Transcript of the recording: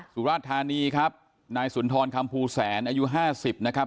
สุรราทรโดยธานีครับนายศุลธรคัมภูแสนอายุห้าสิบนะครับ